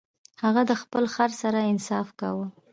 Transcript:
هغه د خپل خر سره انصاف کاوه.